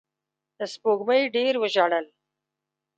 سپوږمۍ ډېر وژړل